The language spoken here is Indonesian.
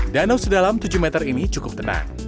danau sedalam tujuh meter ini cukup tenang